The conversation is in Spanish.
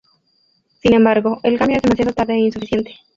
Sin embargo, el cambio es demasiado tarde e insuficiente.